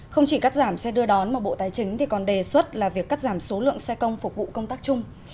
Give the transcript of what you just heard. không chỉ cắt giảm xe đưa đón mà bộ tài chính còn đề xuất là việc cắt giảm số lượng xe công phục vụ công tác chung